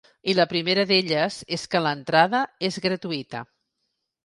I la primera d’elles és que l’entrada és gratuïta.